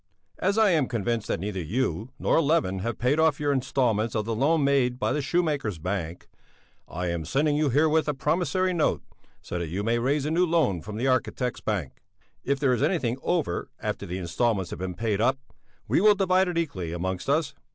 As I am convinced that neither you nor Levin have paid off your instalments of the loan made by the Shoemakers' Bank, I am sending you herewith a promissory note, so that you may raise a new loan from the Architects' Bank. If there is anything over after the instalments have been paid up, we will divide it equally amongst us.